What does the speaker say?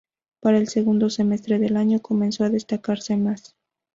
Para el segundo semestre del año, comenzó a destacarse más.